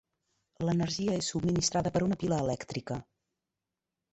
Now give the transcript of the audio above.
L'energia és subministrada per una pila elèctrica.